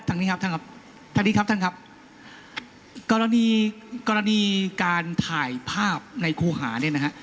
ทางนี้ครับทางนี้ครับท่านครับกรณีการถ่ายภาพในโครหาเนี้ยนะฮะ